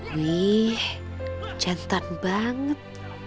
wih cantan banget